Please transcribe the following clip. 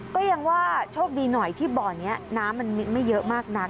ก็ยังว่าโชคดีหน่อยที่บ่อนี้น้ำมันไม่เยอะมากนัก